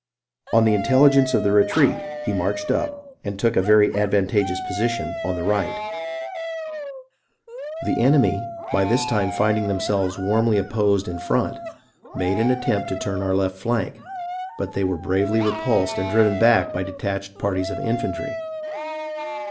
On intelligence of the retreat he marched up and took up a very ad vantageous position on the right. MONMOUTH AND NEWPORT 239 The enemy, by this time finding themselves warmly opposed in front, made an attempt to turn our left flank ; but they were bravely repulsed and driven back by detached parties of infantry.